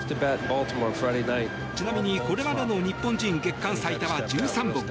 ちなみに、これまでの日本人月間最多は１３本。